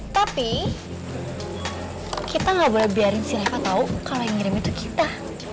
tapi kita gak boleh biarin si reva tau kalau yang ngirim itu kita